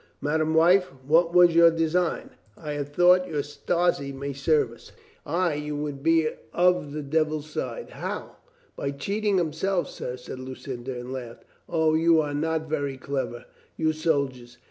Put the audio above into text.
"Madame wife, what was your design?" "I had thought your Strozzi might serve us." "Ay, you would be of the devil's side. How?" "By cheating himself, sir," said Lucinda and laughed. "O, you are not very clever, you soldiers.